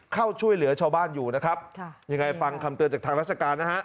เข้าช่วยเหลือชาวบ้านอยู่นะครับค่ะยังไงฟังคำเตือนจากทางราชการนะฮะ